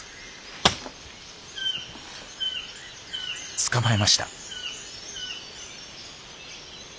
捕まえました。